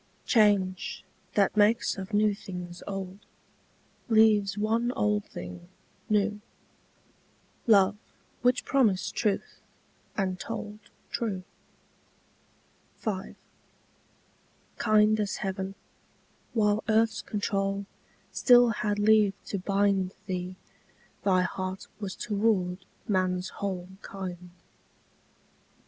Change, that makes of new things old, Leaves one old thing new; Love which promised truth, and told True. V. Kind as heaven, while earth's control Still had leave to bind Thee, thy heart was toward man's whole Kind.